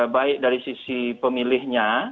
baik dari sisi pemilihnya